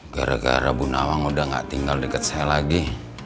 gara gara bu nawang udah gak tinggal dekat saya lagi